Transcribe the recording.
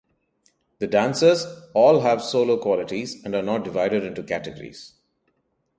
The dancers all have solo qualities and are not divided into categories.